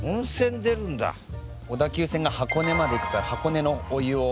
小田急線が箱根まで行くから箱根のお湯を。